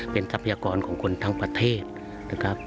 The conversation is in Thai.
เป็นทรัพยากรของคนทั้งประเทศนะครับ